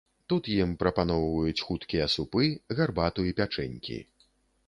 Тут ім прапаноўваюць хуткія супы, гарбату і пячэнькі.